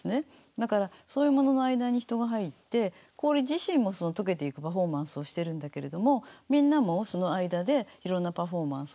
だからそういうものの間に人が入って氷自身も解けていくパフォーマンスをしてるんだけれどもみんなもその間でいろんなパフォーマンスをしたりとか。